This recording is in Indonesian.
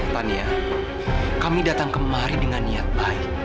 kami datang kemari dengan niat baik